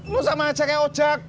lo sama ajak ya ajak